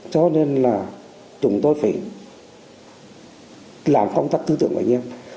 cho nên là chúng tôi phải làm công tác tư tưởng của anh em